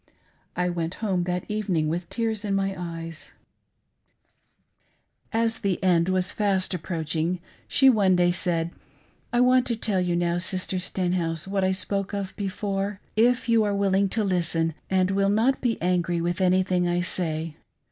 I went home that evening with tears in my eyes. >J j?, "INDEED YOU DO LOVE ME." As the end was fast approaching, she one day said: "I want to tell you now, Sister Stenhouse, what I spoke of before, if you are willing to listen and will not be angry with anything I say.